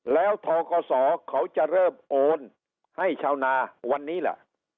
แล้วทกศเขาจะเริ่มโอนให้ชาวนาวันนี้ล่ะ